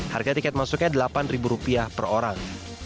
harga tiket masuknya delapan ribu rupiah per orang